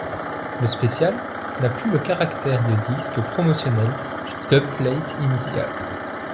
Le special n'a plus le caractère de disque promotionnel du dubplate initial.